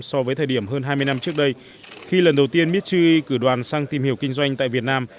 so với thời điểm hơn hai mươi năm trước đây khi lần đầu tiên mitchue cử đoàn sang tìm hiểu kinh doanh tại việt nam